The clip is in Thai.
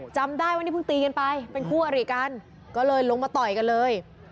จำได้ว่านี่เพิ่งตีกันไปเป็นคู่อริกันก็เลยลงมาต่อยกันเลย